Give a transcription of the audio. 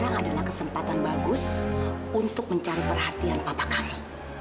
sekarang adalah kesempatan bagus untuk mencari perhatian papa kami